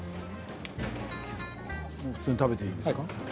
普通に食べていいんですか。